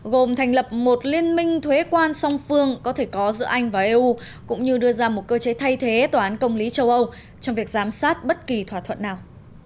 gồm thành lập một liên minh thuế quan song phương có thể có giữa anh và eu cũng như đưa ra một cơ chế thay thế tòa án công lý châu âu trong việc giám sát bất kỳ thỏa thuận nào